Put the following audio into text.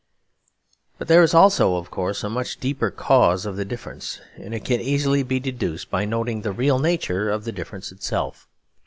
But there is also, of course, a much deeper cause of the difference; and it can easily be deduced by noting the real nature of the difference itself.